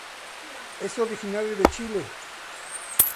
Es originario de Chile.